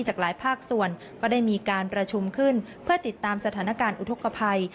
จากหลายภาคส่วนก็ได้มีการประชุมขึ้นเพื่อติดตามสถานการณ์อุทธกภัย